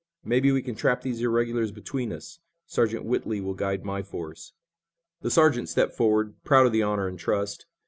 Maybe we can trap these irregulars between us. Sergeant Whitley will guide my force." The sergeant stepped forward, proud of the honor and trust.